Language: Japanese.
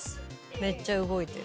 めっちゃ動いてる。